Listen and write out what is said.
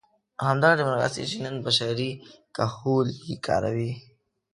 همدغه ډیموکراسي چې نن بشري کهول یې کاروي.